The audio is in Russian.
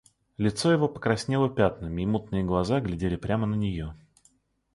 Лицо его покраснело пятнами, и мутные глаза глядели прямо на нее.